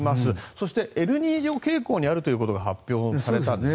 そして、エルニーニョ傾向にあるということが発表されたんです。